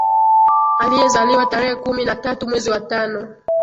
Aliyezaliwa tarehe kumi na tatu mwezi wa tano